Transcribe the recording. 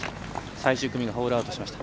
最終組がホールアウトしました。